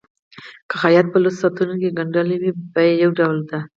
که خیاط په لسو ساعتونو کې ګنډلي وي بیه یو ډول ده.